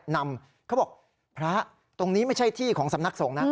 เขาบอกพระตรงนี้ไม่ใช่ที่ของสำนักสงฆ์นะ